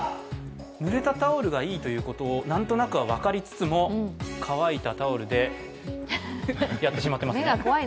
ぬれたタオルがいいということなんとなくは分かりつつも乾いたタオルでやっていってしまいますよね。